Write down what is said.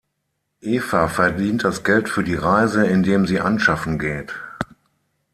Eva verdient das Geld für die Reise, indem sie anschaffen geht.